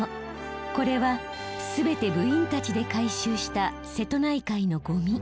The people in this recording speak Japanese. これはすべて部員たちで回収した瀬戸内海のゴミ。